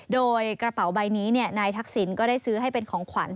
โดยกระเป๋าใบนี้นายทักษิณก็ได้ซื้อให้เป็นของขวัญ